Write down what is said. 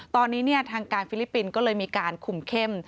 ตอนนี้ทางการฟิลิปปินส์ก็เลยมีการคุมเข้ม